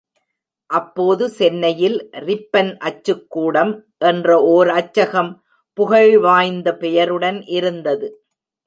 அப்போது சென்னையில் ரிப்பன் அச்சுக்கூடம் என்ற ஓர் அச்சகம் புகழ் வாய்ந்த பெயருடன் இருந்தது.